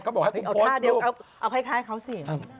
ฮะเอาท่าเดียวเอาคล้ายเขาสิ